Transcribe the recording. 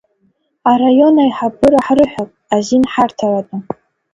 Араион аиҳабыра ҳрыҳәап, азин ҳарҭаратәы.